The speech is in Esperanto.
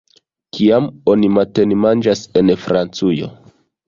Kiam oni matenmanĝas en Francujo?